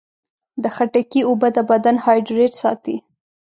د خټکي اوبه د بدن هایډریټ ساتي.